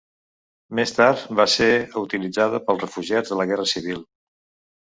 Més tard va ser utilitzada pels refugiats de la Guerra Civil.